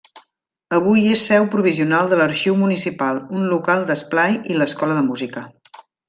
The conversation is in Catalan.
Avui és seu provisional de l'Arxiu Municipal, un local d'esplai i l'escola de música.